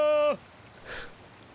フッ。